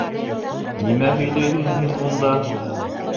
Нимә һөйләйһең һин унда?